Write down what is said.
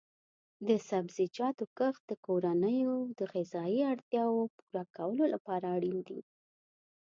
د سبزیجاتو کښت د کورنیو د غذایي اړتیاو پوره کولو لپاره اړین دی.